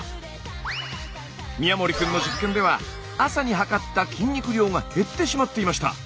宮森君の実験では朝にはかった筋肉量が減ってしまっていました。